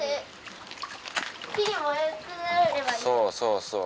そうそうそう。